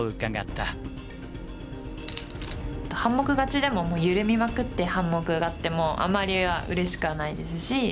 半目勝ちでも緩みまくって半目勝ってもあまりうれしくはないですし。